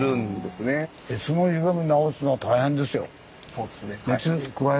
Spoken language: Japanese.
そうです。